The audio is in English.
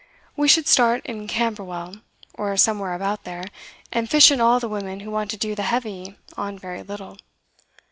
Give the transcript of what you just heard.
We should start in Camberwell, or somewhere about there, and fish in all the women who want to do the heavy on very little.